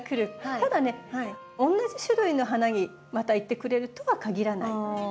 ただねおんなじ種類の花にまた行ってくれるとは限らない。